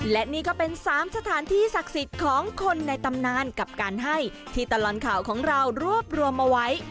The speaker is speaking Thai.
และนี่ก็เป็น๓สถานที่ศักดิ์สิทธิ์ของคนในตำนานกับการให้ที่ตลอดข่าวของเรารวบรวมเอาไว้